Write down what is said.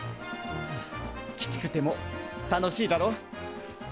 きつくても楽しいだろ？